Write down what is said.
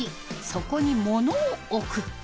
そこに物を置く。